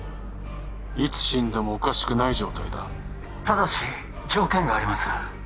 いつ死んでもおかしくない状態だただし条件があります